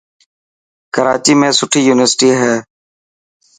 ڪراچي ۾ سٺي يونيورسٽي هي.